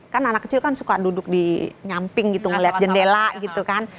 kan anak kecil kan suka duduk di nyamping gitu ngeliat jendela gitu kan